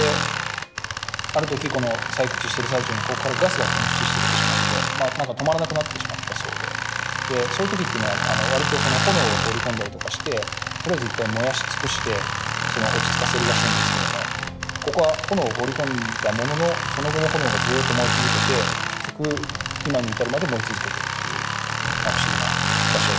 ある時この採掘してる最中にここからガスが噴出してきてしまって止まらなくなってしまったそうでそういう時っていうのは割と炎を放り込んだりとかしてとりあえず一回燃やし尽くして落ち着かせるらしいんですけどもここは炎を放り込んだもののその後も炎がずっと燃え続けて結局今に至るまで燃え続けているっていう不思議な場所ですね。